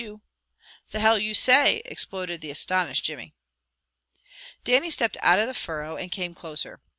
"The Hell you say!" exploded the astonished Jimmy. Dannie stepped out of the furrow, and came closer.